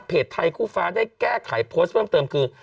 ไทยคู่ฟ้าได้แก้ไขโพสต์เพิ่มเติมคือ